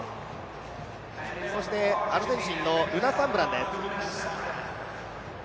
アルゼンチンのルナサンブランです。